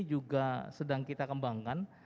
juga sedang kita kembangkan